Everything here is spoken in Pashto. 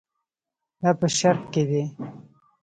دا په شرق کې دي.